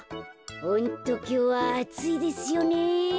ホントきょうはあついですよね。